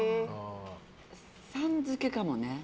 さん付けかもね。